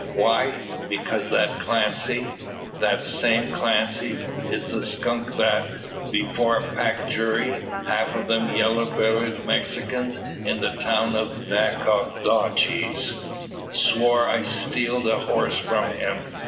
"Why? Because that Clancy that same Clancy is the skunk that, before a packed jury, half o' them yellar bellied Mexikins, in the town of Nacogdoches, swore I stealed a horse from him.